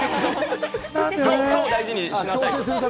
顔を大事にしなさいと。